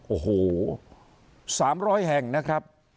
โอ้โห๓๐๐แห่งนะครับ